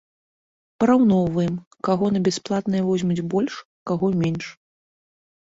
Параўноўваем, каго на бясплатнае возьмуць больш, каго менш.